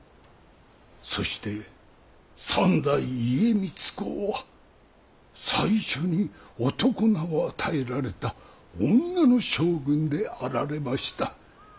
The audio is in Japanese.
そして三代家光公は最初に男名を与えられた女の将軍であられました。